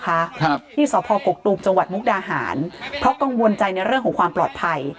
ครับที่สพกกตูมจังหวัดมุกดาหารเพราะกังวลใจในเรื่องของความปลอดภัย